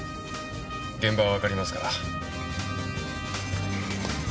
現場はわかりますから。